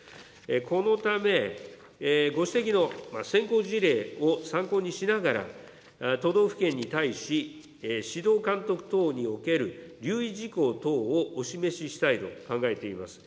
このため、ご指摘の先行事例を参考にしながら、都道府県に対し、指導監督等における留意事項等をお示ししたいと考えています。